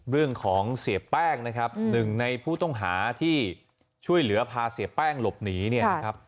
เรื่องของเสียแป้งนะครับหนึ่งในผู้ต้องหาที่ช่วยเหลือพาเสียแป้งหลบหนีเนี่ยนะครับ